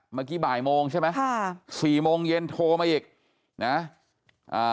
เมื่อกี้บ่ายโมงใช่ไหมค่ะสี่โมงเย็นโทรมาอีกนะอ่า